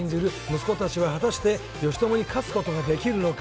息子たちは義知に勝つことができるのか。